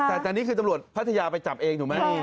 แต่ตอนนี้คือตำรวจพัทยาไปจับเองถูกไหม